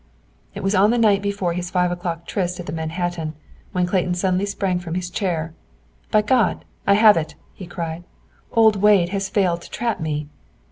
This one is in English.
It was on the night before his five o'clock tryst at the Manhattan, when Clayton suddenly sprang from his chair. "By God! I have it!" he cried. "Old Wade has failed to trap me.